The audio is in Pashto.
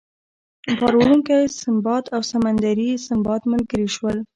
بار وړونکی سنباد او سمندري سنباد ملګري شول.